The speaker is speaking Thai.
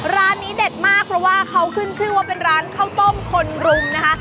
ร้านนี้เด็ดมากเพราะว่าเขาขึ้นชื่อว่าเป็นร้านข้าวต้มคนรุมนะคะ